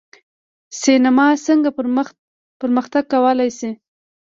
سینما څنګه پرمختګ کولی شي؟